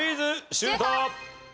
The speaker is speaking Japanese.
シュート！